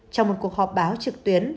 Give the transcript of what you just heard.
trong một cuộc họp báo trực tuyến